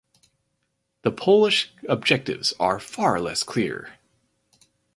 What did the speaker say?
The Polish objectives are far less clear.